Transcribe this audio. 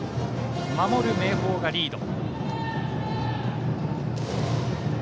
守る明豊がリード。